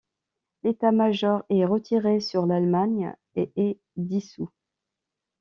L'état-major est retiré sur l'Allemagne, et est dissous.